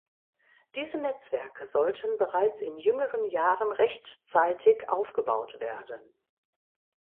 Diese Netzwerke sollten bereits in jüngeren Jahren rechtzeitig aufgebaut werden.